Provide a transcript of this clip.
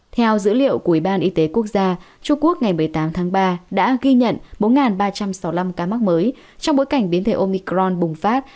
theo dữ liệu của ủy ban y tế quốc gia trung quốc ngày một mươi tám tháng ba đã ghi nhận bốn ba trăm sáu mươi năm ca mắc mới trong bối cảnh biến thể omicron bùng phát